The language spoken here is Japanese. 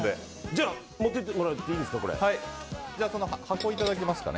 じゃあ、持ってってもらっていいですか？